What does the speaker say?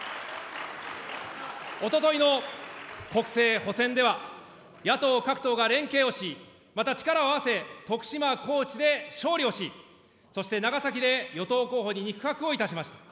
おとといの国政補選では、野党各党が連携をし、また力を合わせ、徳島高知で勝利をし、そして長崎で、与党候補に肉薄をいたしました。